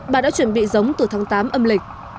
bà đã chuẩn bị giống từ tháng tám âm lịch